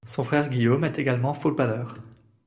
Son frère Guillaume, est également footballeur.